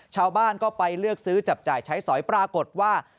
ชาวบ้านก็ไปเลือกซื้อจับจ่ายใช้สอยปรากฏว่า